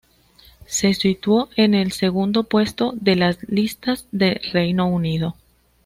Se situó en el segundo puesto de las listas de Reino Unido.